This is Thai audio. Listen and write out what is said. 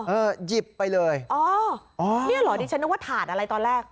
อ่อเออหยิบไปเลยอ่อนี่เหรอดิฉันนึกว่าถาดอะไรตอนแรก